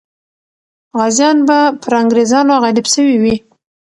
غازیان به پر انګریزانو غالب سوي وي.